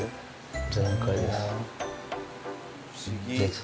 全開です。